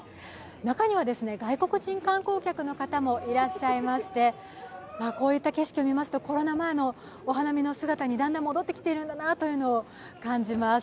中には外国人観光客の方もいらっしゃいまして、こういった景色を見ますと、コロナ前のお花見の景色にだんだん戻ってきているんだなと感じます。